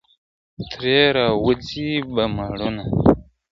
ترې راوځي به مړونه ..